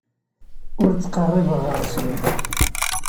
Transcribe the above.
Ur ttqerribeɣ ɣer-sen.